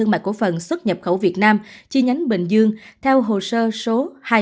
mại cổ phần xuất nhập khẩu việt nam chi nhánh bình dương theo hồ sơ số hai nghìn sáu trăm hai mươi chín hai nghìn sáu trăm ba mươi